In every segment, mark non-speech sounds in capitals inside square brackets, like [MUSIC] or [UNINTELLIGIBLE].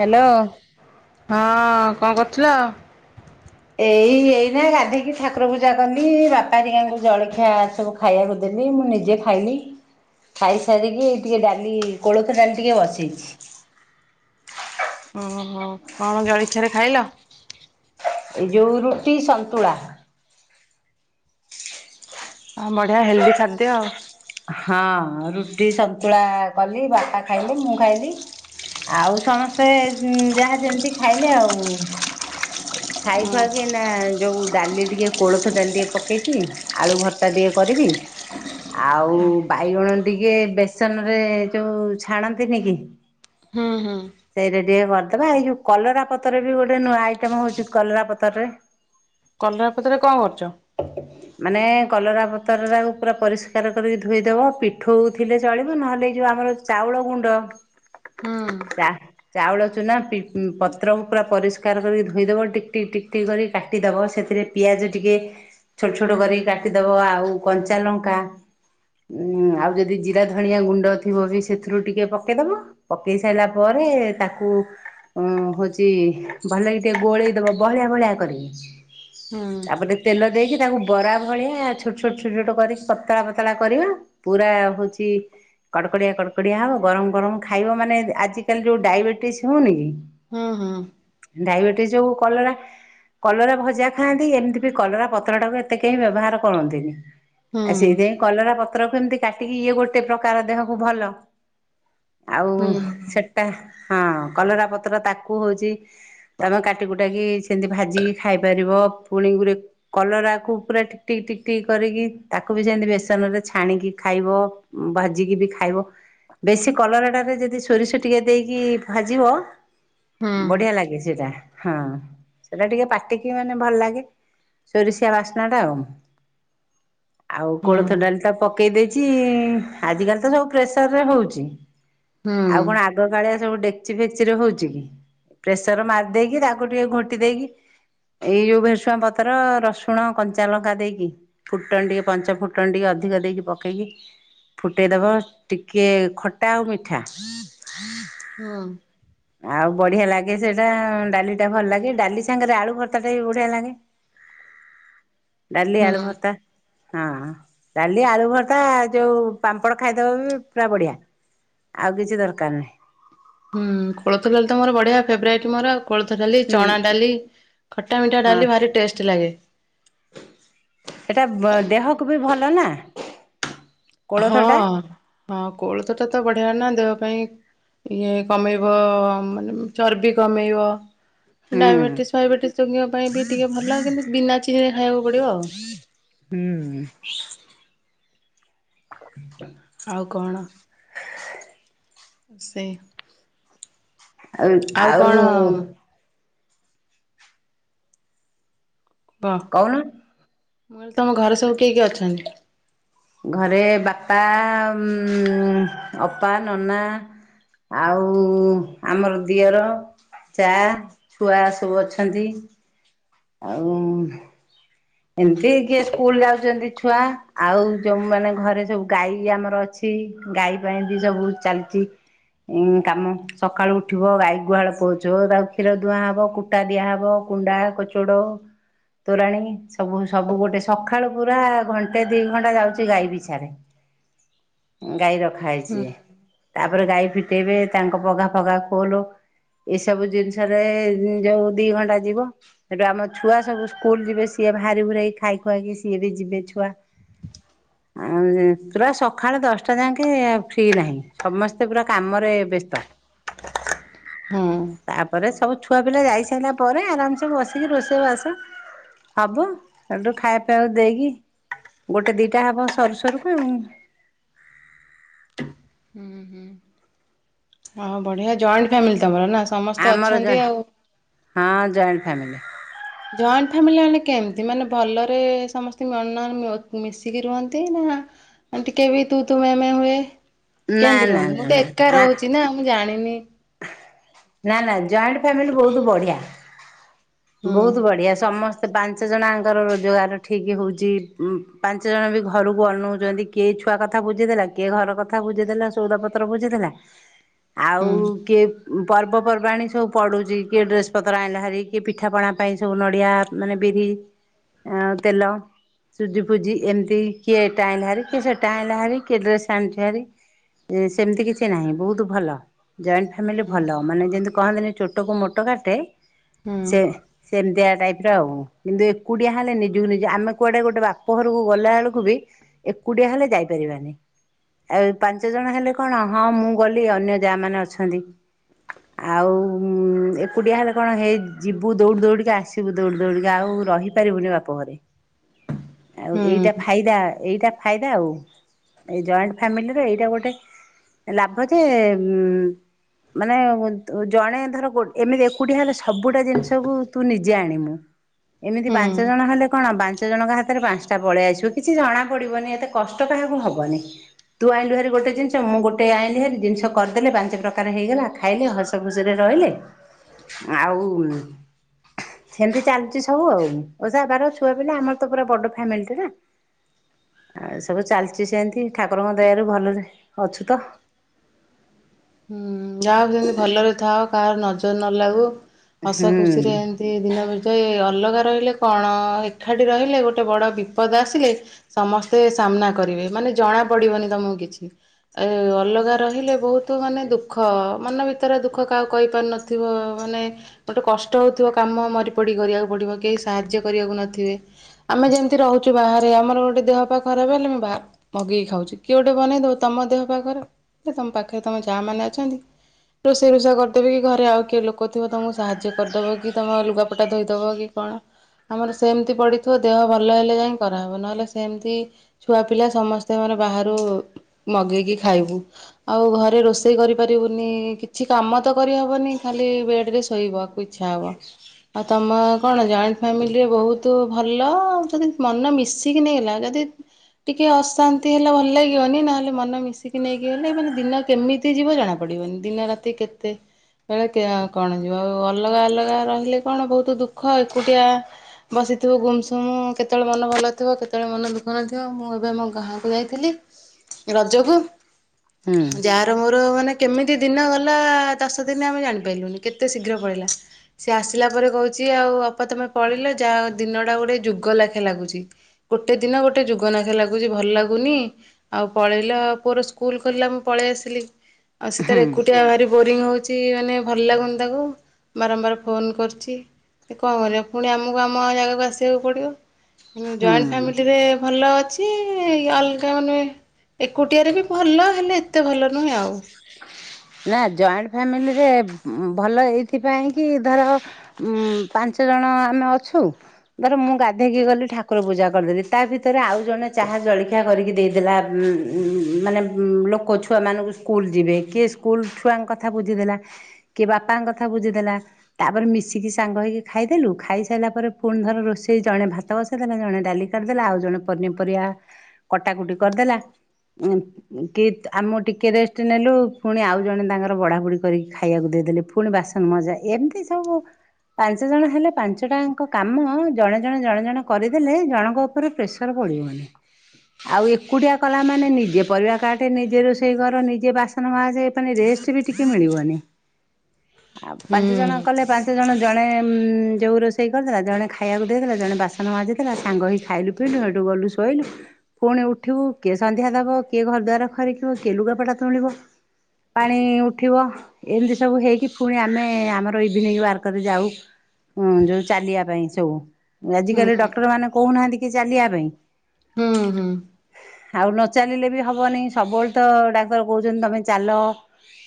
Hello. ହଁ କଣ କରୁଥିଲ? ଏଇ ଏଇନା, ଗାଧେଇକି ଠାକୁର ପୂଜା କଲି, ବାପା ହେରିକାଙ୍କୁ ଜଳଖିଆ ସବୁ ଖାଇବାକୁ ଦେଲି ମୁଁ ନିଜେ ଖାଇଲି। ଖାଇସାରିକି, ଟିକେ ଡାଲି, କୋଳଥ ଡାଲି ଟିକେଏ ବସେଇଛି। ଓହୋ କଣ ଜଳଖିଆରେ ଖାଇଲ? ଏ ଯେଉଁ ରୁଟି, ସନ୍ତୁଳା। ଆଁ ବଢିଆ ହେଲ୍ଦି ଖାଦ୍ୟ ଆଉ। ହଁ ରୁଟି ସନ୍ତୁଳା କଲି, ବାପା ଖାଇଲେ, ମୁଁ ଖାଇଲି। ଆଉ ସମସ୍ତେ, ଯାହା ଯେମିତି ଖାଇଲେ ଆଉ, ଖାଇ ଖୁଆକି ଯୋଉ ଡାଲି ଟିକେ କୋଳଥ ଡାଲି, ଟିକେ ପକେଇଛି ଆଳୁ ଭର୍ତ୍ତା ଟିକେ କରିବି। ଆଉ ବାଇଗଣ ଟିକେ ବେସନ ରେ ଯୋଉ ଛାଣନ୍ତିନି କି ହଁ ହଁ ସେଇଟା ଟିକେ କରିଦବା, ଏଇ ଯୋଉ କଲରା ପତ୍ରରେ ବି ଗୋଟେ ନୂଆ ଆଇଟମ ହଉଚଛି, କଲରା ପତରରେ। [INAUDIBLE] କଲରାପତ୍ର ରେ କଣ କରୁଛ? ମାନେ କଲରା ପତ୍ରଟାକୁ ପୁରା ପରିଷ୍କାର ପରିସ୍କାର କରିକି ଧୋଇଦବ, ପିଠଉ ଥିଲେ ଚଳିବ, ନହେଲେ ଏଇ ଯୋଉ ଆମର ଚାଉଳ ଗୁଣ୍ଡ ହୁଁ ଚା ଚାଉଳ ଚୁନା, ପତ୍ର ପୁରା ପରିଷ୍କାର କରିକି ଧୋଇଦବ, ଟିକଟିକ, ଟିକଟିକ କରି କାଟିଦବ, ସେଥିରେ ପିଆଜ ଟିକେ, ଛୋଟ ଛୋଟ କରିକି କାଟିଦବ, ଆଉ କଞ୍ଚା ଲଙ୍କା ଉଁ ଆଉ ଯଦି ଜିରା ଧନିଆ ଗୁଣ୍ଡ ଥିବ, ବି ସେଥିରୁ ଟିକେ ପକେଇଦବ। ପକେଇ ସାରିଲା ପରେ ତାକୁ ହ ହଉଛି, ଭଲ ଟିକେ ଗୋଳେଇ ଦବ ବଳିଆ ବଳିିଆ କରିକି। ହୁଁ ତାପରେ ତେଲ ଦେଇକି, ତାକୁ ବରା ଭଳିଆ ଛୋଟ, ଛୋଟ, ଛୋଟ, ଛୋଟ କରିକି ପତଳା ପତଳା କରିବା, ପୁରା ହଉଛି କଡ଼କଡ଼ିଆ, କଡ଼କଡିଆ ହବ, ଗରମ ଗରମ ଖାଇବ ମାନେ, ଆଜିକାଲି ଯୋଉ ଡାଇବେଟିସ୍ ହଉନି କି ହଁ ହଁ। ଡାଇବେଟିସ୍ ଯୋଉ କଲରା କଲରା ଭଜା ଖାଆନ୍ତି, ଏମିତି ବି କଲରା ପତ୍ରଟାକୁ ଏତେ କେହି ବ୍ୟବହାର କରନ୍ତିନି ହୁଁ। ଆଉ ସେଇଥିପାଇଁ କଲରା ପତ୍ରକୁ ଏମିତି କାଟିକି ଇଏ ଗୋଟେ ପ୍ରକାର ଦେହକୁ ଭଲ। ଆଉ ହୁଁ ସେଟା ହଁ କଲରା ପତ୍ର ତାକୁ ହଉଚି ତମେ କାଟିକୁୁଟାକି ସେମିତି ଭାଜିକି ଖାଇପାରିବ ପୁଣି ଗୁରେ କଲରାକୁ ପୁରା ଟିକି ଟିକ୍ ଟିକି ଟିକ୍ କରିକି ତାକୁ ବି ସେନ୍ତି ବେ ତେଲରେ ଛାଣିକି ଖାଇବ ଭାଜିକି ବି ଖାଇବ। ବେଶୀ କଲରାଟାରେ ଯଦି ସୋରିଷ ଟିକେ ଦେଇକି ଭାଜିବ। ହୁଁ ହୁଁ ବଢିଆ ଲାଗେ ସେଟା ହଁ ସେଟା ଟିକିଏ ପାଟିକି ମାନେ ଭଲ ଲାଗେ। ସୋରିଷିଆ ବାସ୍ନା ଟା ଆଉ ଆଉ କୋଳ ହୁଁ ସବୁ ପକେଇ ଦେଇଚି ଆଜି କାଲି ତ ସବୁ ପ୍ରେସରରେ ହଉଛି ହୁଁ ଆଉ କଣ ଆ ଆଗ କାଳିଆ ସବୁ ଡେକଚି ଫେକେଚିରେ ହଉଛି କି ପ୍ରେସର ମାରିଦେଇକି ତାକୁ ଟିକିଏ ଘୋଟି ଦେଇକି ଏଇ ଯୋଉ ଭେରସୁଆଁ ପତ୍ର ରସୁଣ କଞ୍ଚା ଲଙ୍କା ଦେଇକି ଫୁଟଣ ଟିକେ ପାଞ୍ଚ ଫୁଟ ଫୁଟଣ ଟିକିଏ ଅଧିକ ଦେଇକି ପକେଇକି ଫୁଟେଇଦବ ଟିକିଏ ଖଟା ଆଉ ମିଠା। [UNINTELLIGIBLE] ହଁ। [UNINTELLIGIBLE] ଆଉ ବଢିଆ ଲାଗେ ସେଟା ଡାଲି ଟା ଭଲ୍ ଲାଗେ ଡାଲି ସାଙ୍ଗରେ ଆଳୁ ଭର୍ତ୍ତାଟା ବି ବଢିଆ ଲାଗେ। ଡାଲି, ଆଳୁ ହୁଁ ଭର୍ତ୍ତା ହଁ। ଡାଲି ଆଳୁ ଭରତା ଯୋଉ ପାମ୍ପଡ଼ ଖାଇଦବ ବି ପୁରା ବଢିଆ। ଆଉ କିଛି ଦରକାର ନାହିଁ। ହୁଁ କୋଳଥ ଡାଲି ତ ମୋର ବଢିଆ ଫେବରାଇଟ ମୋର ଆଉ। କୋଳଥ ଡାଲି ହୁଁ ଚଣା ଡାଲି ଖଟା ମିଠା ଡାଲି ଭାରି ଟେଷ୍ଟେ ଲାଗେ। ଏଟା ବ ଦେହକୁ ବି ଭଲ ନା। କୋଳଥ ହଁ ଟା ହଁ କୋଳଥ ଟା ତ ବଢିଆ ନା ଦେହ ପାଇଁ। ଇଏ କମେଇବ ମାନେ ଚର୍ବି କମେଇବ। ହୁଁ। ଡାଇବେଟିସ୍ ଫାଇବେଟିସ୍ ରୋଗୀଙ୍କ ପାଇଁ ବି ଟିକିଏ ଭଲ କିନ୍ତୁ ବିନା ଚିନିରେ ଖାଇବାକୁ ପଡ଼ିବ ଆଉ। ହୁଁ। ହୁଁ। ଆଉ କଣ? ସେଇ ଆଉ କଣ ଆଉ ବ କହୁନ। ମୁଁ କହିଲି ତମ ଘରେ ସବୁ କିଏ କିଏ ଅଛନ୍ତି? ଘରେ ବାପା ଉଂ ଅପା, ନନା। ଆଉ ଆମର ଦିଅର। ଚା ଛୁଆ ସବୁ ଅଛନ୍ତି। ଆଉ। ଏମିତି କିଏ ସ୍କୁଲ ଯାଉଚନ୍ତି ଛୁଆ ଆଉ ଯୋଉ ମାନେ ଘରେ ସବୁ ଗାଈ ଆମର ଅଛି ଟି ଗାଈ ପାଇଁ ବି ସବୁ ଚାଲଚି। ଉଁ କାମ ସକାଳୁ ଉଠିବ ଗାଈ ଗୁହାଳୁ ପୋଛ ତାକୁ କ୍ଷୀର ଧୁଆଁ ହବ କୁ ଟା ଦିଆହବ କୁଣ୍ଡା, କଚୁଡ଼, ତୋରାଣୀ। ସବୁ ସବୁ ଗୋଟେ ସଖାଳୁ ପୁରା ଘଣ୍ଟେ ଦି ଘଣ୍ଟା ଯାଉଚି ଗାଈ ପିଛାରେ। ଗାଈ ରଖା ହେଇଚି ହୁଁ ତାପରେ ଗାଈ ଫିଟେଇବେ ତାଙ୍କ ପଗା ଫଘା ଖୋଲୁ। ଏସବୁ ଜିନିଷରେ ଯୋଉ ଦି ଘଣ୍ଟା ଯିବ। ହେଠୁ ଆମ ଛୁଆ ସବୁ ସ୍କୁଲ ଯିବେ ସିଏ ଭାରି ଭୁରାଇ ଖାଇ ଖୁଆଇକି ସିଏ ବି ଯିବେ ଛୁଆ। [INAUDIBLE] ଆଉ ପୁରା ସକାଳେ ଦଶଟା ଯାଙ୍କେ ଫ୍ରି ନାହିଁ ସମସ୍ତେ ପୁରା କାମରେ ବ୍ୟସ୍ତ। [INAUDIBLE] ହୁଁ ତାପରେ ସବୁ ଛୁଆ ପିଲା ଯାଇ ସାରିଲା ପରେ ଆରାମସେ ବସିକି ରୋଷେଇବାସ ହବ। ସେଠୁ ଖାଇବା ପିଇବାକୁ ଦେଇକି ଗୋଟେ ଦିଟା ହବ ସରୁ ସରୁକା ଆଉ। ହୁଁ ହୁଁ। ହଁ ବଢ଼ିଆ। ଜଏଣ୍ଟ ଫ୍ୟାମିଲି ତମର ନା? ସମସ୍ତେ ଆମର ଜ ଅଛନ୍ତି ଆଉ। ହଁ ଜଏଣ୍ଟ ଫ୍ୟାମିଲି। ଜଏଣ୍ଟ ଫ୍ୟାମିଲି ମାନେ କେମିତି ମାନେ ଭଲରେ ସମସ୍ତେ ମିଶିକି ରୁହନ୍ତି ନା ଏମିତି କିଏ ବି ତୁ ତୁ ମେ ମେ ହୁଏ। ନା କେମିତି ନା ରୁହନ୍ତି? ନା ମୁଁ ତ ଏକା ନା ରହୁଛି ନା ମୁଁ ଜାଣିନି? ନା ନା ଜଏଣ୍ଟ ଫ୍ୟାମିଲି ବହୁତ ବଢିଆ। ହୁଁ ବହୁତ ବଢିଆ ସମ ସ୍ତେ ପାଞ୍ଚ ଜଣଙ୍କର ରୋଜଗାର ଠିକ୍ ହେଉଛି। ପାଞ୍ଚ ଜଣ ବି ଘରକୁ ଅନଉଛନ୍ତି। କିଏ ଛୁଆ କଥା ବୁଝିଦେଲା, କିଏ ଘର କଥା ବୁଝିଦେଲା, ସଉଦ ପତ୍ର ବୁଝିଦେଲା ହୁଁ ଆଉ କିଏ ପର୍ବପର୍ବାଣୀ ସବୁ ପଡ଼ୁଛି କିଏ ଡ୍ରେସ ପତ୍ର ଆଣିଲା ଭାରି, କିଏ ପିଠାପଣା ପାଇଁ ସବୁ ନଡିଆ ମାନେ ବିରି ଆଉ ତେଲ। ସୁଜି ଫୁଜି ଏମିତି। କିଏ ଏଟା ଆଣିଲାଭାରି, ଞକିଏ ସେଟା ଆଣିଲାହାରି, କିଏ ଡ୍ରେସ୍ ଆଣିଛି ହାରି। ସେମିତି କିଛି ନାହିଁ ବହୁତ ଭଲ। ଜଏଣ୍ଟ ଫାମିଲି ଭଲ। ମାନେ ଯେମିତି କହନ୍ତିନି ଚୋଟକୁ ମୋଟ କାଟେ, ସେ ହୁଁ ସେମିତିଆ ଟାଇପ ର ଆଉ। କିନ୍ତୁ ଏକୁଟିଆ ହେଲେ ନିଜକୁ ନିଜେ ଆମେ କୁଆଡେ ଗୋଟେ ବାପ ଘରକୁ ଗଲା ବେଳକୁ ବି ଏକୁଟିଆ ହେଲେ ଯାଇପାରିବାନି। ଆଉ ପାଞ୍ଚ ଜଣ ହେଲେ କଣ ହଁ ମୁଁ ଗଲି ଅନ୍ୟ ଯାଆ ମାନେ ଅଛନ୍ତି। ଆଉ ଏକୁଟିଆ ହେଲେ କଣ ହେ ଯିବୁ ଦୌଡ଼ି ଦୌଡିକା ଆସିବୁ ଦୌଡ଼ି ଦୌଡିକା। ଆଉ ରହି ପାରିବୁନି ବାପଘରେ। ଆଉ ଏଇଟା ଫାଇଦା, ଏଇଟା ଫାଇଦା ଆଉ ଏଇ ଜଏଣ୍ଟ ଫ୍ୟାମିଲିରେ ଏଇଟା ଗୋଟେ ଲାଭ ଯେ ଉ ମାନେ ଜଣେ ଧର ଏମିତି ଏକୁଟିଆ ହେଲେ ସବୁଟା ଜିନିଷକୁ ତୁ ନିଜେ ଆଣିମୁ। ଏମିତି ହୁଁ ପାଞ୍ଚ ହୁଁ। ଜଣ ହେଲେ କଣ ବା ପାଞ୍ଚ ଜଣଙ୍କ ହାତରେ ପାଞ୍ଚଟା ପଳେଇ ଆସିବ। କିଛି ଜଣା ପଡିବନି ଏତେ କଷ୍ଟ କାହାକୁ ହବନି। ତୁ ଆଇଁଲୁଭାରି ଗୋଟେ ଜିନିଷ, ମୁଁ ଗୋଟେ ଆଇଁଲିଭାରି ଜିନିଷ କରିଦେଲେ ପାଞ୍ଚ ପ୍ରକ୍ ଆର ହେଇଗଲା, ଖାଇଲେ ହସ ଖୁସିରେ ରହିଲେ। ଆଉ ସେମିତି ଚାଲୁଛି ସବୁ ଆଉ। ଓଷା, ବାର ଛୁଆ ପିଲା ଆମର ତ ପୁରା ବଡ ଫ୍ୟାମିଲି ଟେ ନା। ଆଉ ଏ ସବୁ ଚାଲିଛି ସେମତି ଠାକୁରଙ୍କ ଦୟାରୁ ଭଲରେ ଅଛୁ ତ। ଯାହା ହେଉ ଯେମିତି ଭଲରେ ଥାଅ, କାହାର ନଜର ନଲାଗୁ, ହସ ହୁଁ ଖୁସିରେ ଏମତି ସେ ଦିନ ଭିତରେ ଅଲଗା ରହିଲେ କଣ ଏକାଠି ରହିଲେ ଗୋଟେ ବଡ଼ ବିପଦ ଆସିଲେ ସମସ୍ତେ ସାମ୍ନା କରିବେ। ମାନେ ଜଣା ପଡିବନି ତମକୁ କିଛି। ଏ ଅଲଗା ରହିଲେ ବହୁତ ମାନେ ଦୁଃଖ, ମନ ଭିତରେ ଦୁଃଖ କାହାକୁ କହିପାରୁ ନଥିବ ମାନେ ଗୋଟେ କଷ୍ଟ ହଉଥିବ, କାମ ମରିପଡି କରିବାକୁ ପଡିବ। କେହି ସାହାଯ୍ୟ କରିବାକୁ ନଥିବେ। ଆମେ ଯେମିତି ରହୁଛୁ ବାହାରେ, ଆମର ଗୋଟେ ଦେହ ପା ଖରାପ ହେଲେ ଆମେ ବା ମଗେଇ କି ଖାଉଛି। କିଏ ଗୋଟେ ବନେଇ ଦବ ତମ ଦେହ ପା [UNINTELLIGIBLE] ତମ ପାଖ ପାଖରେ ତମ ଯା ମାନେ ଅଛନ୍ତି ରୋଷେଇରୁଷା କରିଦେବେ କି ଘରେ ଆଉ କିଏ ଲୋକ ଥିବ ତମ ସାହା ଯ୍ୟ କରିଦବ କି ତମ ଲୁଗାପଟା ଧୋଇଦବ କି କଣ। ଆମର ସେମିତି ପଡ଼ିଥିବ ଦେହ ଭଲ ହେଲେ ଯାଇଁ କରାହେବ। ନହେଲେ ସେମିତି ଛୁଆ ପିଲା ସମସ୍ତଙ୍କର ବାହାରୁ ମଗେଇକି ଖାଇବୁ। ଆଉ ଘରେ ରୋଷେଇ କରିପାରିବୁନି। କିଛି କାମ ତ କରିହବନି ଖାଲି ବେଡରେ ଶୋଇବାକୁ ଇ ଇଛା ହବ ଆଉ ତମ କଣ ଜ ଫ୍ୟାମିଲିରେ ବହୁତ ଭଲ ଆ ଯଦି ମନ ମିଶିକି ନେଇଗଲା ଯଦି ଟିକେ ଅଶାନ୍ତି ହେଲେ ଭଲ ଲାଗିବନି। ନହେଲେ ମନ ମିଶିକି ନେଇକି ଗଲେ ମାନେ ଦିନ କେମିତି ଯିବ ଜଣା ପଡିବନି। ଦିନ ରାତି କେତେ ବେଳେ କେ କଣ ଯିବ ଆଉ ଅଲଗା ଅଲଗା ରହିଲେ କଣ ବହୁତ ଦୁଃଖ ଏକୁଟିଆ ବସିଥିବ ଗୁମ୍ ସୁମ୍ କେତେବେଳେ ମନ ଭଲ ଥିବ କେତେବେଳେ ମନ ଦୁଃଖ ନଥିବ ମୁଁ ଏବେ ମୋ ଗାଁକୁ ଯାଇଥିଲି ରଜକୁ ହୁଁ ଯାଆର ମୋର ମାନେ କେମିତି ଦିନ ଗଲା ଦଶ ଦିନ ଆମେ ଜାଣିପାରିଲୁନି କେତେ ଶୀଘ୍ର ପଲେଇଲା। ସେ ଆସିଲା ପରେ କହୁଚି ଆଉ ଅପା ତମେ ପଳେଇଲ ଯାହା ଦିନଟା ଗୋଟେ ଯୁଗ ଲେଖା ଲାଗୁଚି। ଗୋଟେ ଦିନ ଗୋଟେ ଯୁଗନାଖ ଲାଗୁଚି। ଭଲ ଲାଗୁନି ଆଉ ପଳେଇଲ ଆଉ ପୁଅର ସ୍କୁଲ ଖୋଲିଲା ମୁଁ ପଳେଇ ଆସିଲି। ଆଉ ସେ ହୁଁ ତାରେ ଏକୁଟିଆ ଭାରି ବୋରିଙ୍ଗ ହଉଚି ମାନେ ଭଲ ଲାଗୁନି ତାକୁ। ବାରମ୍ବାର ଫୋନ୍ କରୁଚି। କଣ କରିବ ପୁଣି ଆମକୁ ଆମ ଜାଗାକୁ ଆସିବାକୁ ପଡ଼ିବ। କିନ୍ତୁ ଜଏଣ୍ଟ ହୁଁ। ଫ୍ୟାମିଲିରେ ଭଲ ଅଛି। କି ଅଲଗା ମାନେ ଏକୁଟିଆରେ ବି ଭଲ ହେଲେ ଏତେ ଭଲ ନୁହେଁ ଆଉ। ନା ଜଏଣ୍ଟ ଫ୍ୟାମିଲିରେ ଭଲ ଏଇଥିପାଇଁ କି ଧର ଉଁ ପାଞ୍ଚ ଜଣ ଆମେ ଅଛୁ ଧର ମୁଁ ଗାଧେଇକି ଗଲି ଠାକୁର ପୂଜା କରିଦେଲି, ତା ଭିତରେ ଆଉ ଜଣେ ଚାହା ଜଳଖିଆ କରିକି ଦେଇଦେଲା। ଉ-ଉ ମାନେ ଲୋକ ଛୁଆ ମାନଙ୍କୁ ସ୍କୁଲ ଯିବେ କିଏ ସ୍କୁଲ ଛୁଆଙ୍କ କଥା ବୁଝିଦେଲା। କିଏ ବାପାଙ୍କ କଥା ବୁଝିଦେଲା। ତାପରେ ମିଶିକି ସାଙ୍ଗ ହେଇକି ଖାଇଦେଲୁ। ଖାଇସାରିଲା ପରେ ପୁଣିଧର ରୋଷେଇ ଜଣେ ଭାତ ବସ ଇ ଦେଲା। ଜଣେ ଡାଲି କରିଦେଲା ଆଉ ଜଣେ ପନିପରିବା କଟା କୁଟି କରିଦେଲା। ଉଁ କି ଆମକୁ ଟିକିଏ ରେଷ୍ଟ ନେଲୁ ପୁଣି ଆଉ ଜଣେ ତାଙ୍କର ବଢ଼ାବୁଢ଼ି କରିକି ଖାଇବାକୁ ଦେଇଦେଲେ। ପୁଣି ବାସନ ମଜା ଏମିତି ସବୁ ପାଞ୍ଚ ଜଣ ହେଲେ ପାଞ୍ଚ ଟା ଯାଙ୍କ କାମ ଜଣେ ଜଣେ ଜଣେ ଜଣେ କରିଦେଲେ ଜଣଙ୍କ ଉପରେ ପ୍ରେସର ପଡ଼ିବନି। ଆଉ ଏକୁଟିଆ କଲା ମାନେ ନିଜେ ପରିବା କାଟେ, ନିଜେ ରୋଷେଇ କର ନିଜେ ବାସନ ମାଜ୍। ଯେ ପୁଣି ରେଷ୍ଟ ବି ଟିକେ ମିଳିବନି। ଆଉ ହୁଁ। ପାଞ୍ଚ ଜଣ କଲେ ପାଞ୍ଚ ସେ ଜଣେ ଜଣେ ଯୋଉ ରୋଷେଇ କରିଦେଲା। ଜଣେ ଖାଇବାକୁ ଦେଇଦେଲା ଜଣେ ବାସନ ମାଜିଥିଲା ସାଙ୍ଗ ହି ଖାଇଲୁ। ପିଲୁ ଏଇଠୁ ଗଲୁୁ ଶୋଇଲୁ ପୁଣି ଉଠିବୁ କିଏ ସନ୍ଧ୍ୟା ଦବ, କିଏ ଘର ଦ୍ୱାର ଖରିକିବ, କିଏ ଲୁଗାପଟା ତୁଳିବ। ପାଣି ଉଠିବ ଏମିତି ସବୁ ହେଇକି ପୁଣି ଆମେ ଆମର ଇଭିନିଂ ୱାର୍କରେ ଯାଉ। ହୁଁ ଯୋଉ ଚାଲିବା ପାଇଁ ସବୁ। ଆଜ ହୁଁ କାଲି ଡକ୍ଟର ମାନେ କହୁନାହାନ୍ତି କି ଚାଲିବା ପାଇଁ। ହୁଁ ହୁଁ। ଆଉ ନଚାଲିଲେ ବି ହବନି। ସବୁବେଳେ ତ ଡାକ୍ତର କହୁଚନ୍ତି ତମେ ଚାଲ।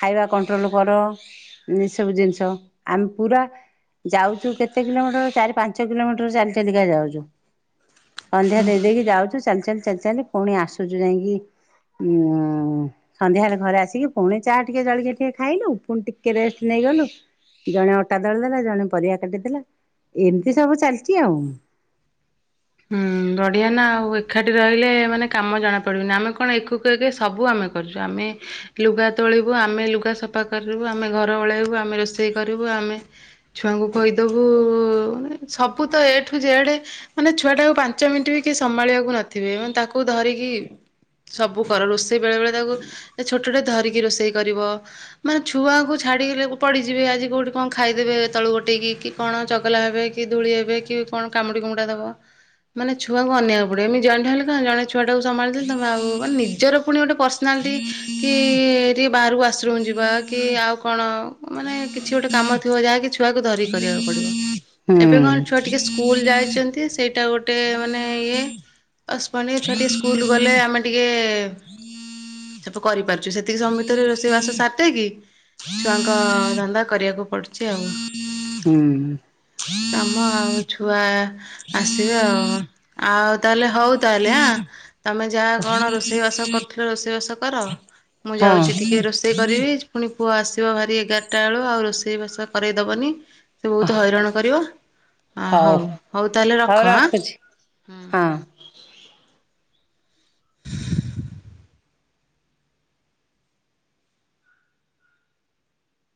ଖାଇବା କଣ୍ଟ୍ରୋଲ୍ କର ଏଇସବୁ ଜିନିଷ ଆମେ ପୁରା ଯାଉଚୁ କେତେ କିଲୋମିଟର ଚାରି ପାଞ୍ଚ କିଲୋମିଟର ଚାଲି ଚାଲିକା ଯାଉଚୁ। ସନ୍ଧ୍ୟା ଦେଇ ଦେଇକି ଯାଉଚୁ। ଚାଲି ଚାଲି ଚାଲି ଚାଲି ପୁଣି ଆସୁଚୁ ଯାଇକି ଉ ସନ୍ଧ୍ୟାରେ ଘରେ ଆସି ସିକି ପୁଣି ଚାହା ଟିକେ ଜଳିକିଆ ଟିକେ ଖାଇଲୁ। ପୁଣି ଟିକେ ରେଷ୍ଟ ନେଇଗଲୁ। ଜଣେ ଅଟା ଦଳି ଦେଲା। ଜଣେ ପରିବା କାଟିଦେଲା। ଏମିତି ସବୁ ଚାଲିଚି ଆଉ। [UNINTELLIGIBLE] ଁ ବଢ଼ିଆ ନା ଆଉ ଏକାଠି ରହିଲେ ମାନେ କାମ ଜଣାପଡ଼ିବନି। ଆମେ କଣ ଏକକୁ ଏକ ସବୁ ଆମେ କରିୁଚୁ ଆମେ ଲୁଗା ତୋଳିବୁ, ଆମେ ଲୁଗା ସଫା କରିବୁ, ଆମେ ଘର ଓଳେଇବୁ, ଆମେ ରୋଷେଇ କରିବୁ, ଆମେ ଛୁଆଙ୍କୁ କହିଦବୁ ମାନେ ସବୁ ତ ଏଠୁ ଯେଡେ, ମାନେ ଛୁଆ ଟାକୁ ପାଞ୍ଚ ମିନିଟ୍ ବି କି ସମ୍ଭାଳିବାକୁ ନଥିବୋ ମାନେ ତାକୁ ତାକୁ ଧରିକି ସବୁ କର, ରୋଷେଇ ବେଳେବେଳେ ତାକୁ, ଛୋଟଟଟେ ଧରିକି ରୋଷେଇ କରିବ। ମାନେ ଛୁଆଙ୍କୁ ଛାଡିଲେ ପଡିଯିବେ, ଆଜି କୋଉଠି କଣ ଖାଇଦେବେ ତଳୁ ଗୋଟେଇକି। କଣ ଚଗଲା ହେବେ କି, ଧୂଳି ହେବେ କି କଣ କାମୁଡ଼ି କୁାମୁଡ଼ା ଦେବ। ମାନେ ଛୁଆ ଅନେଇବାକୁ ପଡିବ, ଜଣେ ହେଲେ କଣ ଜଣେ ଛୁଆ ଟାକୁ ସମ୍ଭାଳି ଦେଲି ତମେ ଆଉ, ନିଜର ପୁଣି ଗୋଟେ ପର୍ସନାଲିଟି କି ଟିକେ ବାହାରକୁ ୱାସୁରୁମ୍ ଯିବା, କି ଆଉ କଣ, ମାନେ କିଛି ଗୋଟେ କାମ ଥିବ ଯାହାକି ଛୁଆକୁ ଧରିକି କରିବାକୁ ପଡିବ। ହୁଁ ଏବେ କଣ ଛୁଆ ଟିକେ ସ୍କୁଲ ଯାଇଛନ୍ତି ସେଇଠ ଏଇଟା ଗୋଟେ ମାନେ ଇଏ, ସେପଟେ ଛୁଆ ଟିକେ ସ୍କୁଲ ଗଲେ ଆମେ ଟିକେ ସବୁ କରିପାରୁଛୁ, ସେତିକି ସମ ଭିତରେ, ରୋଷେଇ ବାସ ସରିଦେଇକି ଛୁଆଙ୍କ ଧନ୍ଦା, କରିବାକୁ ପଡୁଛି ଆଉ। ହୁଁ। କାମ ଆଉ ଛୁଆ ଆସିବେ ଆଉ, ଆଉ ତାହେଲେ ହଉ ତାହେଲେ ଆଁ। ତମେ ଯାହା କଣ ରୋଷେଇ ବାସ କରୁଥିଲ ରୋଷେଇ ବାସ କର। ମୁଁ ହଁ ଯାଉଛି ଟିକେ ରୋଷେଇ କରିବି। ପୁଣି ପୁଅ ଆସିବ ଭାରି ଏଗାରଟା ବେଳୁ, ଆଉ ରୋଷେଇବାସ କରେଇଦବନି। ସେ ବହୁତ ହଇରାଣ କରିବ, ହଉ ହଉ ତାହେଲେ ରଖ ହଁ ହଁ ହଁ।